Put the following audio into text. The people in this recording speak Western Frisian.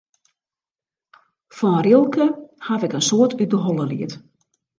Fan Rilke haw ik in soad út de holle leard.